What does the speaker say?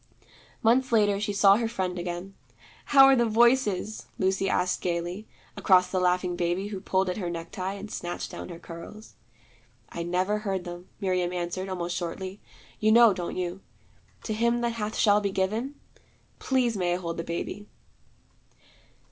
Months later she saw her friend again. 'How are the Voices?' Lucy asked gayly, across the laughing baby who pulled at her necktie and snatched down her curls. 'I never hear them,' Miriam answered, almost shortly. 'You know, don't you, "to him that hath shall be given"? Please may I hold the baby?'